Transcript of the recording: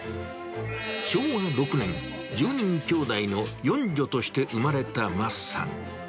昭和６年、１０人きょうだいの四女として生まれたマスさん。